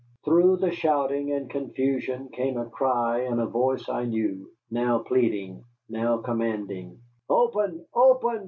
Through the shouting and confusion came a cry in a voice I knew, now pleading, now commanding. "Open, open!